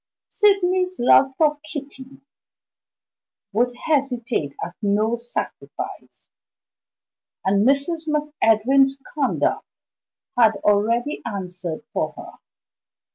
Sydney's love for Kitty would hesitate at no sacrifice; and Mrs. MacEdwin's conduct had already answered for her.